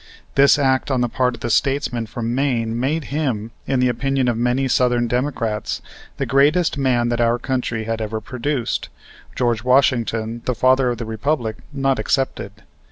This act on the part of the statesman from Maine made him, in the opinion of many Southern Democrats, the greatest man that our country had ever produced, George Washington, the Father of the Republic, not excepted.